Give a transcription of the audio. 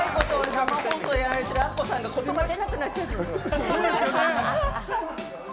生放送をやられてるアッコさんが言葉出なくなってしまった。